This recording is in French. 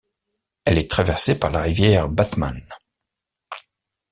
Elle est traversée par la rivière Batman.